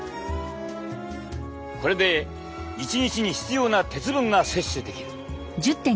これで１日に必要な鉄分が摂取できる。